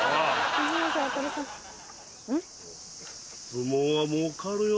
相撲はもうかるよ。